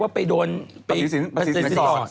ภาษีสินสอดภาษีสินสอด